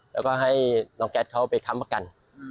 แล้วก็ให้น้องแก๊สเขาไปค้ำประกัน